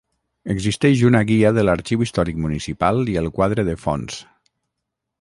Existeix una guia de l'arxiu històric municipal i el quadre de fons.